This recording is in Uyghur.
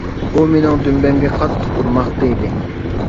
ئۇ مېنىڭ دۈمبەمگە قاتتىق ئۇرماقتا ئىدى.